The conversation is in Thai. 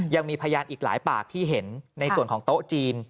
ยังมีพยานอีกหลายปากที่เห็นในส่วนของโต๊ะจีน